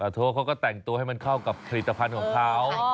โทรเขาก็แต่งตัวให้มันเข้ากับผลิตภัณฑ์ของเขา